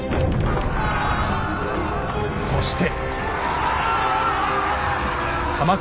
そして。